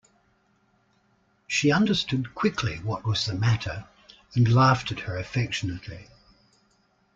She understood quickly what was the matter, and laughed at her affectionately.